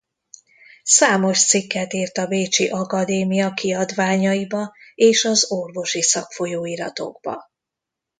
Számos cikket írt a bécsi Akadémia kiadványaiba és az orvosi szakfolyóiratokba.